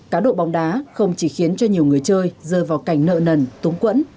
cá độ bóng đá không chỉ khiến cho nhiều người chơi rơi vào cảnh nợ nần túng quẫn